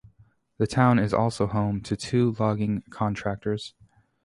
The town is also home to two logging contractors.